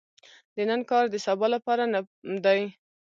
د نن کار د سبا لپاره نه دي .